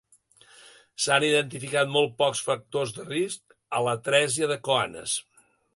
S'han identificat molts pocs factors de risc de l'atrèsia de coanes.